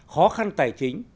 khó khăn tài chính